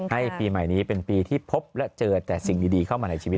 ปีใหม่นี้เป็นปีที่พบและเจอแต่สิ่งดีเข้ามาในชีวิต